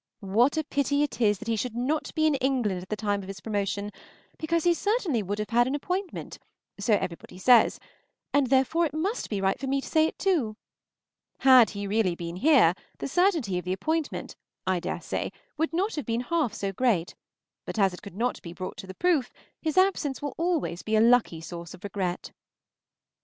What a pity it is that he should not be in England at the time of this promotion, because he certainly would have had an appointment, so everybody says, and therefore it must be right for me to say it too. Had he been really here, the certainty of the appointment, I dare say, would not have been half so great, but as it could not be brought to the proof, his absence will be always a lucky source of regret.